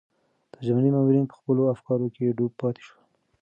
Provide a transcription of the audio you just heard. د جرمني مامورین په خپلو افکارو کې ډوب پاتې شول.